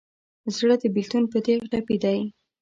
زړه د بېلتون په تیغ ټپي دی.